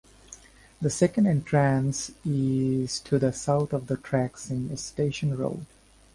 The second entrance is to the south of the tracks in Station Road.